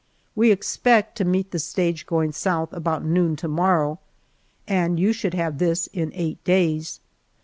We expect to meet the stage going south about noon to morrow, and you should have this in eight days.